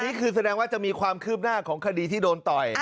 นี่คือแสดงว่าจะมีความคืบหน้าของคดีที่โดนต่อย